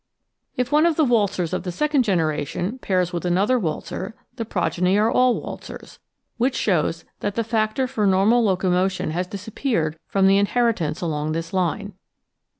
If one of the waltzers of the second generation pairs with another waltzer, the progeny are all waltzers, which shows that the factor for normal locomotion has disappeared from the in heritance along this line.